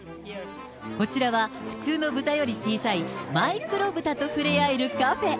こちらは、普通のブタより小さいマイクロブタと触れ合えるカフェ。